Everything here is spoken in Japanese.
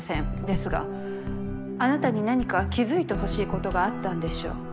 ですがあなたに何か気づいてほしいことがあったんでしょう。